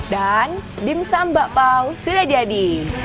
dan dimsum bakpaw sudah jadi